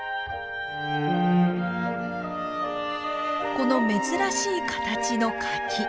この珍しい形の柿。